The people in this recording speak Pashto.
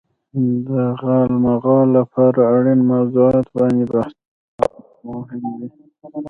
د غالمغال لپاره اړين موضوعات باندې بحثونه مهم دي.